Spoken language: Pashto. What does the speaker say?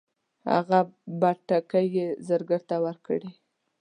هغه بتکۍ یې زرګر ته ورکړې.